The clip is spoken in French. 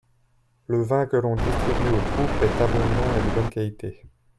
Le vin que l'on distribue aux troupes est abondant et de bonne qualité.